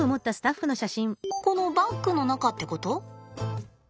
このバッグの中ってこと？